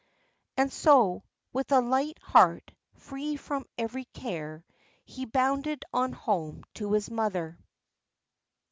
And so, with a light heart, free from every care, he bounded on home to his mother.